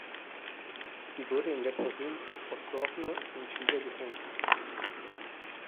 Sie wurde in der Provinz Osorno in Chile gefunden.